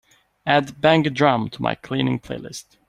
add bang a drum to my cleaning playlist